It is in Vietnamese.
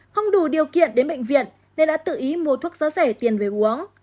không đủ điều kiện đến bệnh viện nên đã tự ý mua thuốc giá rẻ tiền về uống